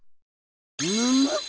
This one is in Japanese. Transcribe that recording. むむっ！？